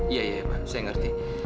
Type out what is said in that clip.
ya ya ya pak saya ngerti